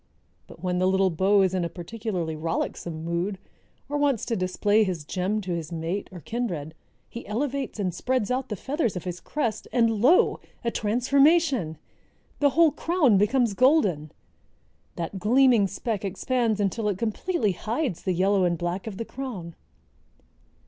But when the little beau is in a particularly rollicksome mood, or wants to display his gem to his mate or kindred, he elevates and spreads out the feathers of his crest, and lo! a transformation. The whole crown becomes golden! That gleaming speck expands until it completely hides the yellow and black of the crown."